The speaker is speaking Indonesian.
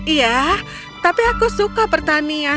iya tapi aku suka pertanian